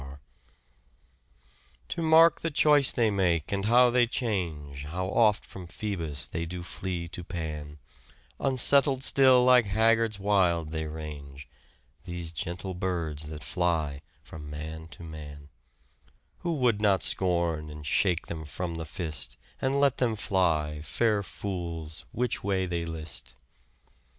138 " SHAKESPEARE " IDENTIFIED " To mark the choice they make, and how they change, How oft from Phoebus do they flee to Pan, Unsettled still like haggards wild they range, These gentle birds that fly from man to man, Who would not scorn and shake them from the fist And let them fly, fair fools, which way they list